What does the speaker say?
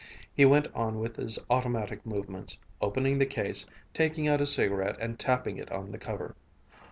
He went on with his automatic movements, opening the case, taking out a cigarette and tapping it on the cover.